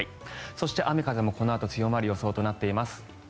そして雨風もこのあと強まる予想となっています。